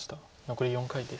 残り４回です。